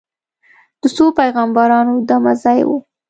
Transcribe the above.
د څو پیغمبرانو دمه ځای و.